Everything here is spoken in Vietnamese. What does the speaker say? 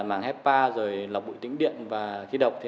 màng hepa lọc bụi tĩnh điện và khí độc